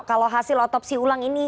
kalau hasil otopsi ulang ini